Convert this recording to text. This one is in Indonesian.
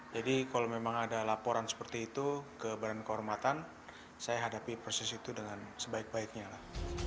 jadi kalau memang ada laporan seperti itu ke badan kehormatan saya hadapi proses itu dengan sebaik baiknya lah